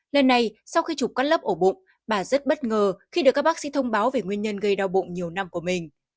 lần này sau khi chụp cắt lớp ổ bụng bà rất bất ngờ khi được các bác sĩ thông báo về nguyên nhân gây đau bụng nhiều năm của mình